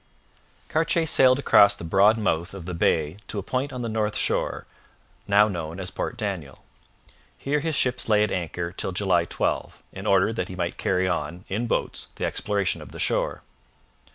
Cartier sailed across the broad mouth of the bay to a point on the north shore, now known as Port Daniel. Here his ships lay at anchor till July 12, in order that he might carry on, in boats, the exploration of the shore.